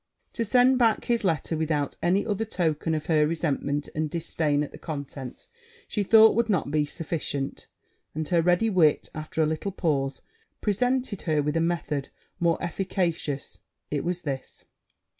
To send back his letter without any other token of her resentment and disdain at the contents, she thought would not be sufficient; and her ready wit, after a little pause, presented her with a method more efficacious. It was this.